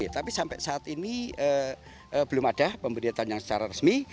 tapi sampai saat ini belum ada pemberitaan yang secara resmi